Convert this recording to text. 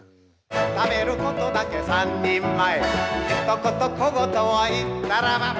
「食べることだけ三人前」「ひとこと小言を言ったらば」